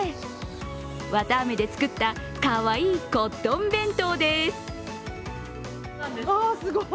わたあめで作った、かわいいコットン弁当です。